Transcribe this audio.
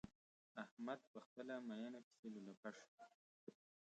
احمد په خپلې ميينې پسې لولپه شو.